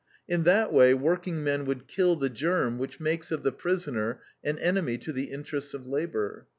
In that way workingmen would kill the germ which makes of the prisoner an enemy to the interests of labor.